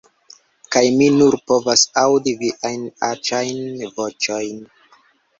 Kaj mi nur povas aŭdi viajn aĉajn voĉojn!